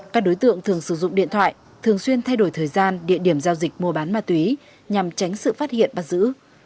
các đối tượng thường sử dụng điện thoại thường xuyên thay đổi thời gian địa điểm giao dịch mua bán ma túy nhằm tránh sự phát hiện bắt giữ